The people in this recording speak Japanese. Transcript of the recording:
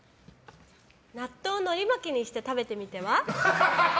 納豆のり巻きにして食べてみては？